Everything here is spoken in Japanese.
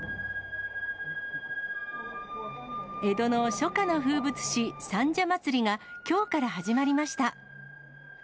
江戸の初夏の風物詩、三社祭が、きょうから始まりました。